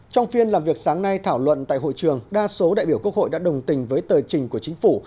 trong phiên làm việc sáng nay thảo luận tại hội trường đa số đại biểu quốc hội đã đồng tình với tờ trình của chính phủ